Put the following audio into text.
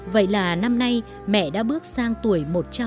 vậy là năm nay mẹ đã bước sang tuổi một trăm linh